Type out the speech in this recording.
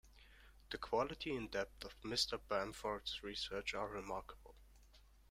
The quality and depth of Mr. Bamford's research are remarkable.